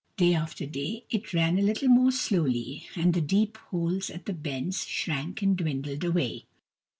Day after day it ran a little more slowly, and the deep holes at the bends shrank and dwindled KUR BO ROO, THE BEAR 219 away.